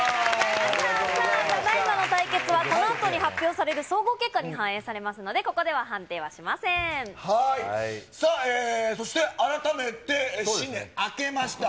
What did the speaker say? さあ、ただ今の対決は、このあとに発表される総合結果に反映されますので、ここでは判定そして、改めて新年明けました。